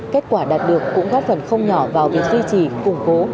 kết quả đạt được cũng góp phần không nhỏ vào việc duy trì củng cố